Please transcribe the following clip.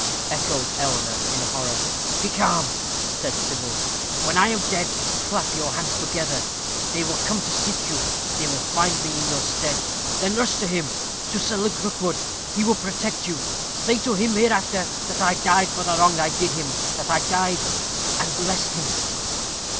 echoed Eleanor, in horror. "Be calm," said Sybil. "When I am dead, clap your hands together. They will come to seek you they will find me in your stead. Then rush to him to Sir Luke Rookwood. He will protect you. Say to him hereafter that I died for the wrong I did him that I died, and blessed him."